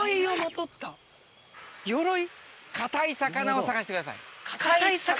硬い魚を探してください。